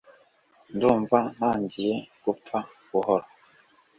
ndumva ntangiye gupfa buhoro